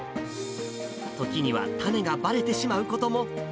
時には、タネがばれてしまうことも。